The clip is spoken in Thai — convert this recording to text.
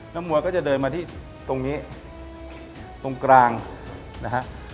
น้ำมัวก็จะเดินมาที่ตรงนี้ตรงกลางนะครับ